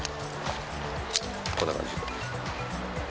こんな感じで。